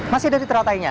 masih dari teratainya